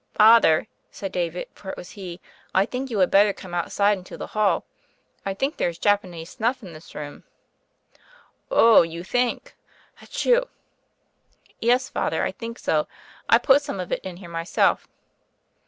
"Father," said David, for it was he, "I think you had better come outside into the hall. I think there is Japanese snuff in this room." "Oh, you think — etchoo !" "Yes, Father, I think so. I put some of it in here myself."